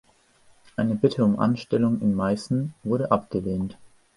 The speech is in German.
Eine Bitte um Anstellung in Meißen wurde abgelehnt.